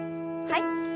はい。